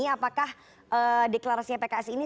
apakah deklarasinya pks ini